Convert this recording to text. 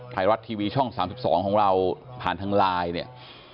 ไทยรัฐทีวีช่องสามสิบสองของเราผ่านทางไลน์เนี้ย